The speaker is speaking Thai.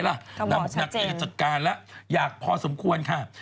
นักอีศจัดการแล้วอยากพอสมควรค่ะ